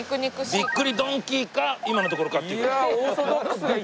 びっくりドンキーか今のところかっていう。